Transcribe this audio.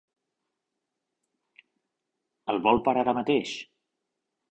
El vol per ara mateix?